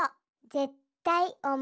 ぜったいおもち。